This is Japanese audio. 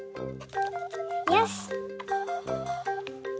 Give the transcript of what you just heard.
よし！